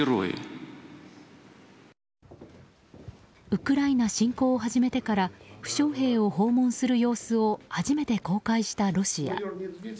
ウクライナ侵攻を始めてから負傷兵を訪問する様子を初めて公開したロシア。